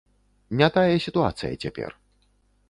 Не тая сітуацыя цяпер.